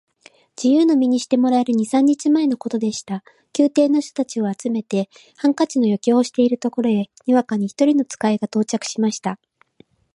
自由の身にしてもらえる二三日前のことでした。宮廷の人たちを集めて、ハンカチの余興をしているところへ、にわかに一人の使が到着しました。